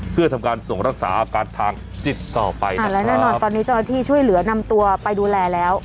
เพื่อทำการส่งรักษาอาการทางจิตต่อไปนะครับและแน่นอนตอนนี้เจ้าหน้าที่ช่วยเหลือนำตัวไปดูแลแล้ว